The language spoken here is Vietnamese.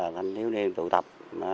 thanh thiếu niên tụ tập